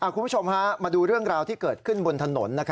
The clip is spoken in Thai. คุณผู้ชมมาดูเรื่องราวที่เกิดขึ้นบนถนน